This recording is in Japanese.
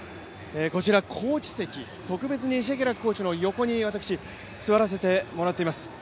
こちらコーチ席、特別にシェケラックコーチの横に私、座らせてもらっています。